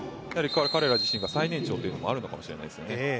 彼ら自身が最年長というのもあるのかもしれないですね。